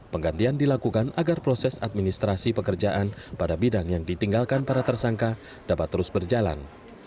penggantian dilakukan agar proses administrasi pekerjaan pada bidang yang ditinggalkan para tersangka dapat terus berjalan